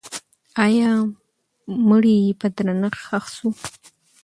آیا مړی یې په درنښت ښخ سو؟